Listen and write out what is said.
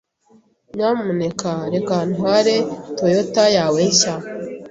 Nyamuneka reka ntware Toyota yawe nshya.